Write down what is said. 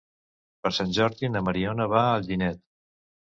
Per Sant Jordi na Mariona va a Alginet.